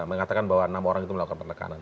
mengatakan bahwa enam orang itu melakukan penekanan